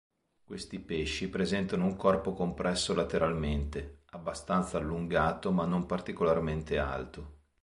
Questi pesci presentano un corpo compresso lateralmente, abbastanza allungato ma non particolarmente alto.